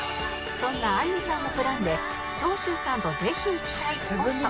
そんなあんりさんのプランで長州さんとぜひ行きたいスポット３カ所を巡ります